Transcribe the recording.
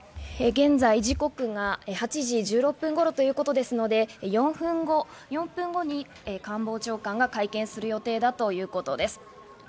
現在時刻が８時１６分頃ということですので、４分後に官房長官が会見する予定だということです。